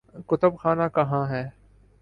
کتب خانہ کہاں ہے؟